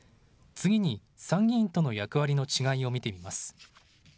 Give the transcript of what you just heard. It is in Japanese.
次に参議院との役割の違いを見てみます。